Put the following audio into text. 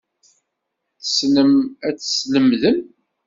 Tessnem ad teslemdem.